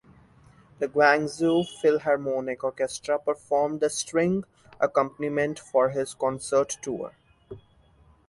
The Guangzhou Philharmonic Orchestra performed the string accompaniment for his concert tour.